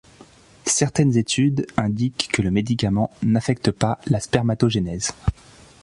Certaines études indiquent que le médicament n'affecte pas la spermatogénèse.